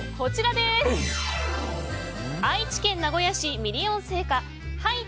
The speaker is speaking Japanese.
愛知県名古屋市、ミリオン製菓ハイ！！